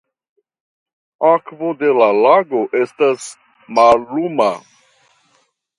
Akvo de la lago estas malluma.